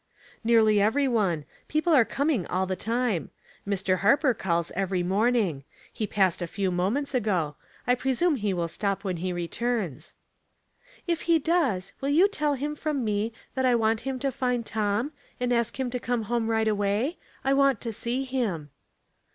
" Nearly every one ; people are coming all the time. Mr. Harper calls every morning; he passed a few moments ago ; I presume he will stop when he returns." " If he does, will you tell him from me that I want him to find Tom, and ask him to come home right away ; I want to see him."